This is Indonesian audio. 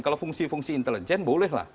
kalau fungsi fungsi intelijen boleh lah